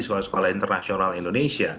sekolah sekolah internasional indonesia